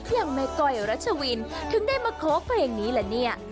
อย่างแม่ก้อยรัชวินถึงได้มาขอเพลงนี้ละเนี่ย